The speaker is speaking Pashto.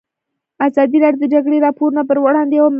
ازادي راډیو د د جګړې راپورونه پر وړاندې یوه مباحثه چمتو کړې.